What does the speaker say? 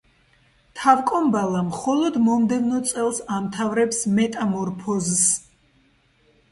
თავკომბალა მხოლოდ მომდევნო წელს ამთავრებს მეტამორფოზს.